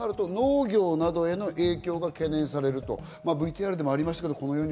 農業などへの影響が懸念されるＶＴＲでもありました。